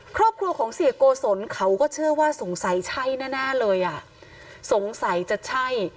ครอบครัวของเสียโกศลเขาก็เชื่อว่าสงสัยใช่แน่แน่เลยอ่ะสงสัยจะใช่